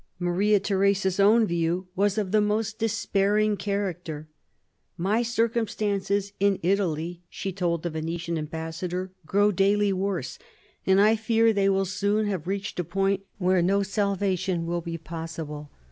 Maria Theresa's own view was of the most despairing character. "My circumstances in Italy," she told the Venetian ambassador, "grow daily worse; and I fear that they will soon have reached a point where no salvation will be possible.